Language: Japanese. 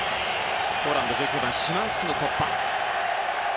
ポーランド、１９番シマンスキの突破。